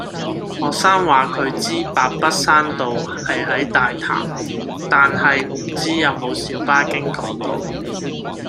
學生話佢知白筆山道係喺大潭，但係唔知有冇小巴經嗰度